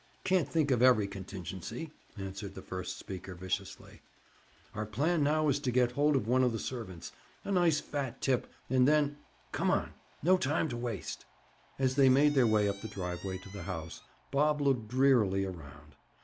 "Can't think of every contingency!" answered the first speaker viciously. "Our plan now is to get hold of one of the servants. A nice fat tip, and then—Come on! No time to waste!" As they made their way up the driveway to the house Bob looked drearily around.